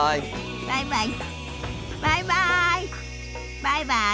バイバイ。